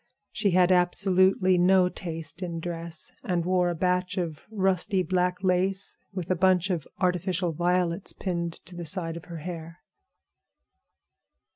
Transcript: She had absolutely no taste in dress, and wore a batch of rusty black lace with a bunch of artificial violets pinned to the side of her hair.